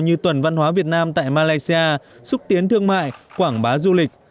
như tuần văn hóa việt nam tại malaysia xúc tiến thương mại quảng bá du lịch